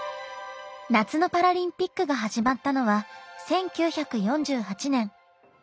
夏のパラリンピックが始まったのは１９４８年。